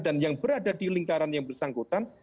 dan yang berada di lingkaran yang bersangkutan